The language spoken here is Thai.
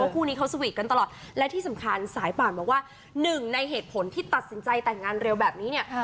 คู่นี้เขาสวีทกันตลอดและที่สำคัญสายป่านบอกว่าหนึ่งในเหตุผลที่ตัดสินใจแต่งงานเร็วแบบนี้เนี่ย